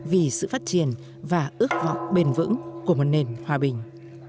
vì sự phát triển và ước vọng bền vững của một nền hòa bình